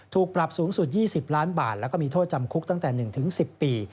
ถูกปรับสูงสุด๒๐ล้านบาทแล้วก็มีโทษจำคุกตั้งแต่๑๑๐ปี